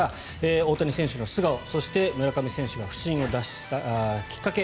大谷選手の素顔そして村上選手が不振を脱したきっかけ